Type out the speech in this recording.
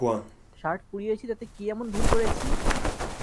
Shirt পুড়িয়েছি তাতে কী এমন ভুল করেছি?